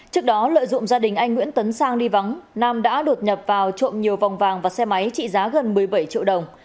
trước đó lợi dụng gia đình anh nguyễn tấn sang đi vắng nam đã đột nhập vào trộm nhiều vòng vàng và xe máy trị giá gần một mươi bảy triệu đồng